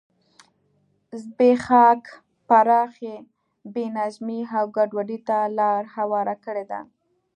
زبېښاک پراخې بې نظمۍ او ګډوډۍ ته لار هواره کړې ده.